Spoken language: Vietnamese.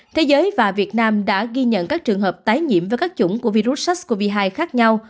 thế giới và việt nam đã ghi nhận các trường hợp tái nhiễm với các chủng của virus sars cov hai khác nhau